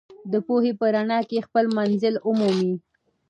د پوهې په رڼا کې خپل منزل ومومئ.